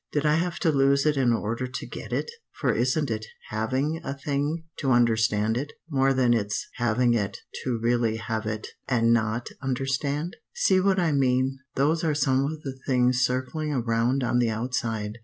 Did I have to lose it in order to get it? For isn't it having a thing to understand it more than it's having it to really have it and not understand? See what I mean? Those are some of the things circling around on the outside.